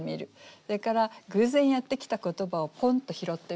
それから偶然やって来た言葉をポンと拾ってみる。